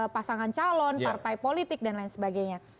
pasangan calon partai politik dan lain sebagainya